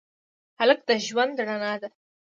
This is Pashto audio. هلک د ژوند رڼا ده.